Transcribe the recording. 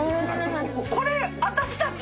これ私たち？